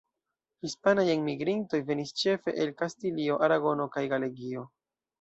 Hispanaj enmigrintoj venis ĉefe el Kastilio, Aragono kaj Galegio.